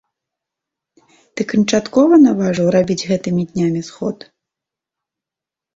Ты канчаткова наважыў рабіць гэтымі днямі сход?